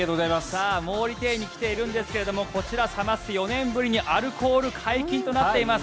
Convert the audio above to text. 毛利庭園に来ているんですがこちら、サマステ、４年ぶりにアルコール解禁となっています。